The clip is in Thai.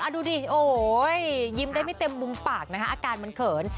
ดูดิโอ้ยยิ้มได้ไม่เต็มมุมปากนะคะอาการมันเขิน